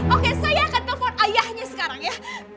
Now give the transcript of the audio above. oke saya akan telepon ayahnya sekarang ya